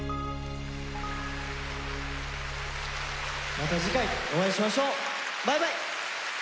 また次回お会いしましょう。バイバイ！